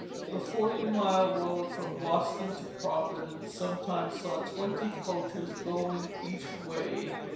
The forty mile road from Boston to Providence sometimes saw twenty coaches going each way.